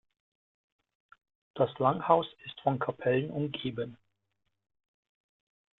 Das Langhaus ist von Kapellen umgeben.